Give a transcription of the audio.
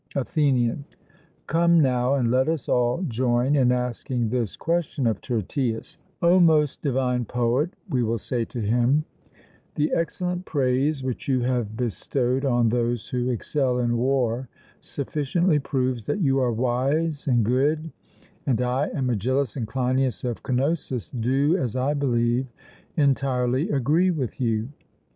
ATHENIAN: Come now and let us all join in asking this question of Tyrtaeus: O most divine poet, we will say to him, the excellent praise which you have bestowed on those who excel in war sufficiently proves that you are wise and good, and I and Megillus and Cleinias of Cnosus do, as I believe, entirely agree with you.